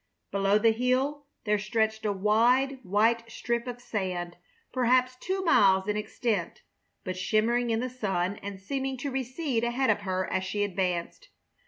Below the hill there stretched a wide, white strip of sand, perhaps two miles in extent, but shimmering in the sun and seeming to recede ahead of her as she advanced.